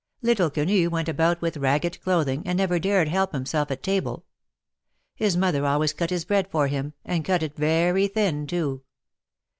Little Quenu went about with ragged clothing, and never dared help himself at table. His mother always cut his bread for him, and cut it very thin, too.